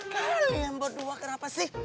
kalian berdua kenapa sih